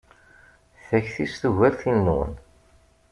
Takti-s tugar tin-nwen.